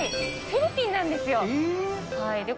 フィリピンなんですよ。